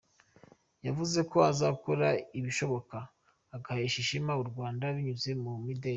Yavuze ko azakora ibishoboka agahesha ishema u Rwanda binyuze mu mideli.